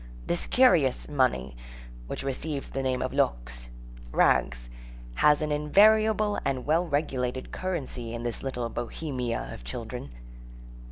This curious money, which receives the name of loques—rags—has an invariable and well regulated currency in this little Bohemia of children.